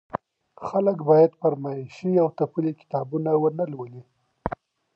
خلګ بايد فرمايشي او تپلي کتابونه ونه لولي.